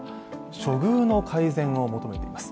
処遇の改善を求めています。